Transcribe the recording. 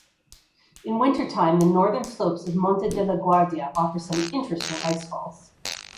In wintertime the northern slopes of Monte della Guardia offer some interesting icefalls.